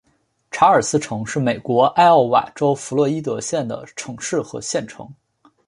查尔斯城是美国艾奥瓦州弗洛伊德县的城市和县城。